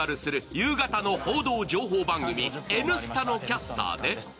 夕方の報道・情報番組「Ｎスタ」のキャスターです。